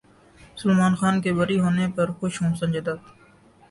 سلمان خان کے بری ہونے پر خوش ہوں سنجے دت